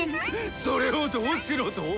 それをどうしろと？